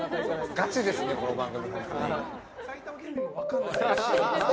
ガチですね、この番組。